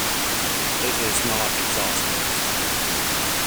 It is not exhaustive.